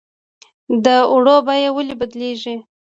د اوړو بیه ولې بدلیږي؟